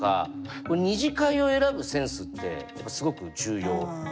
二次会を選ぶセンスってすごく重要。